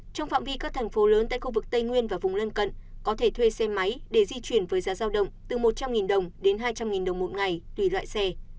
trong phạm vi các thành phố lớn tại khu vực tây nguyên và vùng lân cận có thể thuê xe máy để di chuyển với giá giao động từ một trăm linh đồng đến hai trăm linh đồng một ngày tùy loại xe